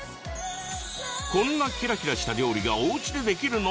こんなキラキラした料理がおうちでできるの？